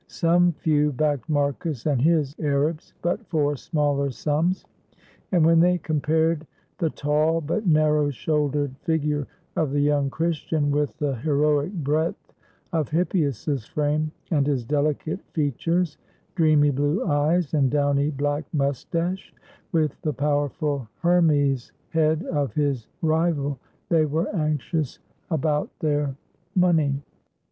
Some few backed Marcus and his Arabs, but for smaller sums; and when they compared the tall but narrow shouldered figure of the young Christian with the heroic breadth of Hippias's frame, and his delicate features, dreamy blue eyes, and downy black mustache with the powerful Hermes head of his rival, they were anxious about their 1 Covered sheds wherein the horses waited for the start. 493 ROME money.